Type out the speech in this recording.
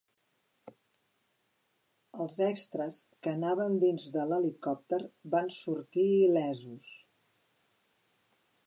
Els extres, que anaven dins de l'helicòpter van sortir il·lesos.